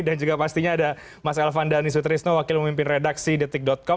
dan juga pastinya ada mas elvan dhani sutrisno wakil memimpin redaksi detik com